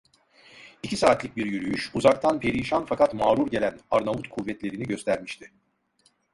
İki saatlik bir yürüyüş, uzaktan perişan fakat mağrur gelen Arnavut kuvvetlerini göstermişti.